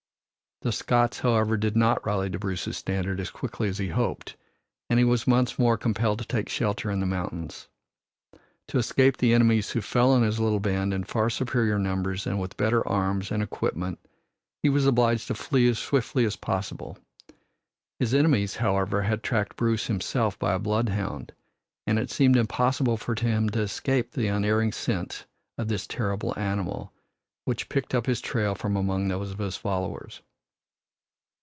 The Scots, however, did not rally to Bruce's standard as quickly as he hoped, and he was once more compelled to take shelter in the mountains. To escape the enemies who fell on his little band in far superior numbers and with better arms and equipment he was obliged to flee as swiftly as possible. His enemies, however, had tracked Bruce himself by a bloodhound, and it seemed impossible for him to escape the unerring scent of this terrible animal, which picked up his trail from among those of his followers.